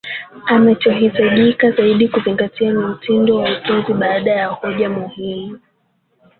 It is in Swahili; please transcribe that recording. Anachohitajika zaidi kuzingatia ni mtindo wa utunzi mada na hoja muhimu.